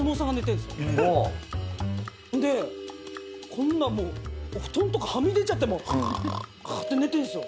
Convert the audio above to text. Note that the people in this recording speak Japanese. ほんでこんなもう布団とかはみ出ちゃって「ガーッガッ」って寝てんすよ。